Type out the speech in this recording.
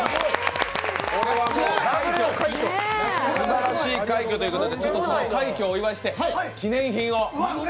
これはすばらしい快挙ということで、その快挙をお祝いして記念品を。